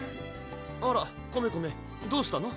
あらコメコメどうしたの？